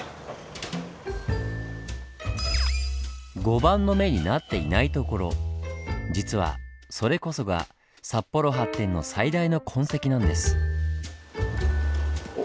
碁盤の目になっていない所実はそれこそが札幌発展の最大の痕跡なんです。